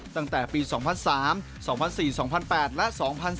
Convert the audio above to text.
ตั้งแต่ปี๒๐๐๓๒๐๐๔๒๐๐๘และ๒๔